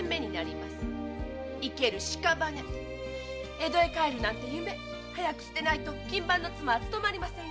江戸へ帰るなんて夢は棄てないと勤番の妻は勤まりませんよ。